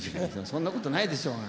そんなことないでしょうが。